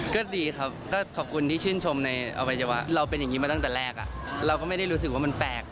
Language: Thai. ก็ดีครับก็ขอบคุณที่ชื่นชมในอวัยวะเราเป็นอย่างนี้มาตั้งแต่แรกเราก็ไม่ได้รู้สึกว่ามันแปลก